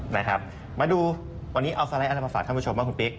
นะครับมาดูวันนี้เอาสไลด์อะไรมาฝากท่านผู้ชมบ้างคุณปิ๊ก